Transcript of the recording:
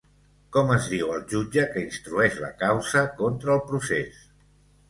Com es diu el jutge que instrueix la causa contra el procés?